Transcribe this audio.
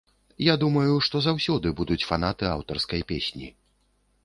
Я думаю, што заўсёды будуць фанаты аўтарскай песні.